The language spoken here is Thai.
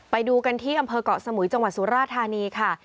ไปดูกันที่อำเภอกเกาะสมุยจังหวัดสุราธานีค่ะ